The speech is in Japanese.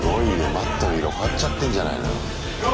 マットの色変わっちゃってんじゃないのよ。